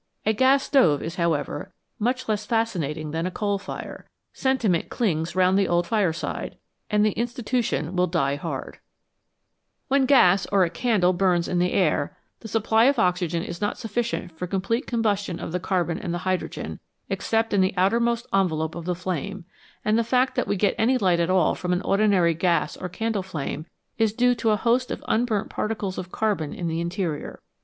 A gas stove is, however, much less fascinating than a coal fire ; sentiment clings round the old fireside, and the institution will die hard. Ill PRODUCTION OF LIGHT AND HEAT When gas (or a candle) burns in the air, the supply of oxygen is not sufficient for complete combustion of the carbon and the hydrogen, except in the outermost envelope of the flame, and the fact that we get any light at all from an ordinary gas or candle flame is due to a host of unburnt particles of carbon in the interior.